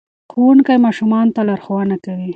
ښوونکی ماشومانو ته لارښوونه کوي.